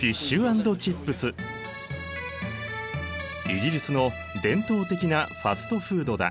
イギリスの伝統的なファストフードだ。